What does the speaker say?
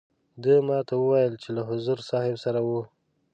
ده ما ته وویل چې له حضور صاحب سره وو.